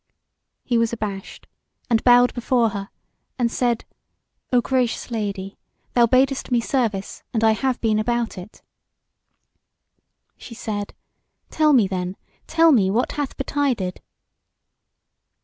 He was abashed, and bowed before her and said: "O gracious Lady, thou badest me service, and I have been about it." She said: "Tell me then, tell me, what hath betided?"